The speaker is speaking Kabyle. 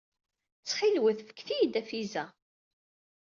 Ttxil-wen, fket-iyi-d afiza.